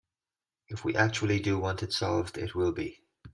If we actually do want it solved, it will be.